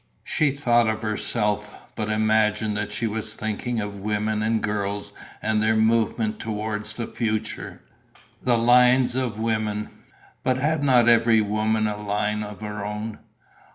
She thought of herself, but imagined that she was thinking of women and girls and their movement towards the future. The lines of the women ... but had not every woman a line of her own?